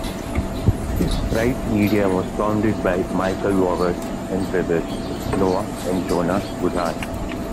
Right Media was founded by Michael Walrath and brothers, Noah and Jonah Goodhart.